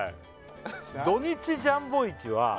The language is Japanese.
「土・日ジャンボ市は」